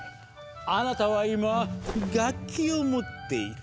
あなたは今楽器を持っている。